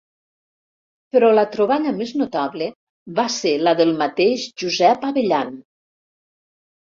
Però la troballa més notable va ser del mateix Josep Abellan.